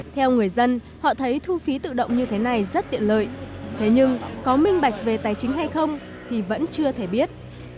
theo người dân họ thấy thu phí tự động như thế này rất tiện lợi thế nhưng có minh bạch về tài chính hay không thì vẫn chưa thể biết